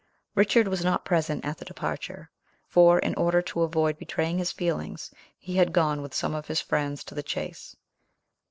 Richard was not present at the departure, for, in order to avoid betraying his feelings, he had gone with some of his friends to the chase.